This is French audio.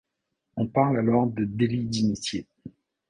On parle alors de délit d'initié.